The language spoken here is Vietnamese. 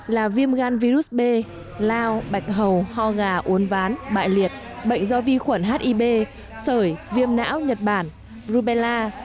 là viêm gan virus b lao bạch hầu ho gà uốn ván bại liệt bệnh do vi khuẩn hib sởi viêm não nhật bản rubella